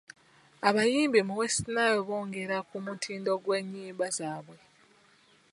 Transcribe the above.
Abayimbi mu West Nile boongera ku mutindo gw'ennyimba zaabwe.